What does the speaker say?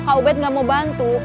kalau kak ubed gak mau bantu